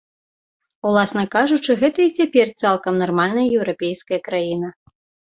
Уласна кажучы, гэта і цяпер цалкам нармальная еўрапейская краіна.